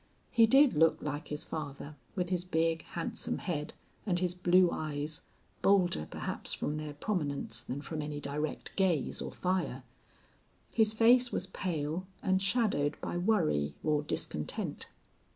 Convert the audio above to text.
He did look like his father, with his big, handsome head, and his blue eyes, bolder perhaps from their prominence than from any direct gaze or fire. His face was pale, and shadowed by worry or discontent.